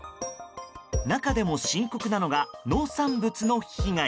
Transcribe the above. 中でも深刻なのが農産物の被害。